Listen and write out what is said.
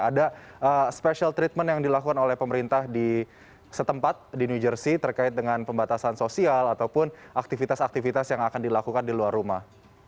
ada special treatment yang dilakukan oleh pemerintah di setempat di new jersey terkait dengan pembatasan sosial ataupun aktivitas aktivitas yang akan dilakukan di luar rumah